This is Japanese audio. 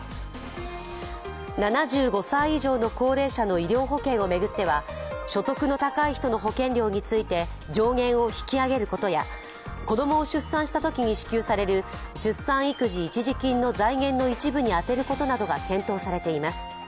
７５歳以上の高齢者の医療保険を巡っては所得の高い人の保険料について上限を引き上げることや子供を出産したときに支給される出産育児一時金の財源の一部に充てることなどが検討されています。